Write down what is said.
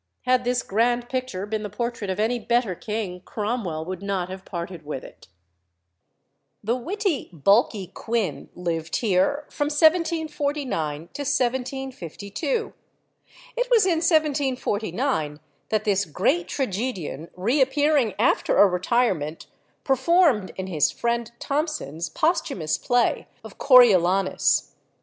Had this grand picture been the portrait of any better king, Cromwell would not have parted with it. The witty bulky Quin lived here from 1749 to 1752. It was in 1749 that this great tragedian, reappearing after a retirement, performed in his friend Thomson's posthumous play of "Coriolanus."